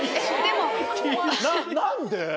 何で？